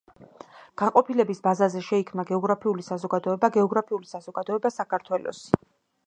განყოფილების ბაზაზე შეიქმნა გეოგრაფიული საზოგადოება გეოგრაფიული საზოგადოება საქართველოსი.